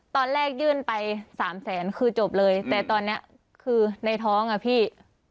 ตอนแรกยื่นไปสามแสนคือจบเลยแต่ตอนนี้คือในท้องอ่ะพี่